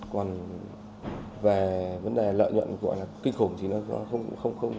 còn về vấn đề lợi nhuận kinh khủng thì nó không